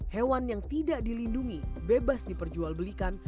hewan yang tidak dilindungi bebas diperjual belikan